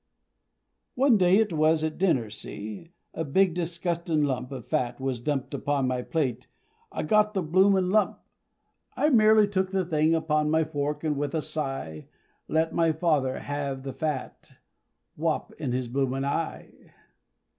"One day, it was at dinner, see, A big disgustin' lump Of fat, was dumped upon my plate, I got the bloomin' hump! I merely took the thing upon My fork, and with a sigh, I let my father have the fat Whop in his bloomin' eye!